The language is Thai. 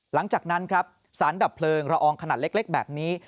หลังจากนั้นครับสารดับเพลิงละอองขนาดเล็กแบบนี้